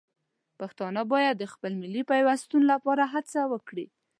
پښتانه باید د خپل ملي پیوستون لپاره هڅه وکړي.